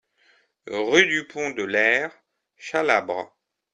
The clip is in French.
Rue du Pont de l'Hers, Chalabre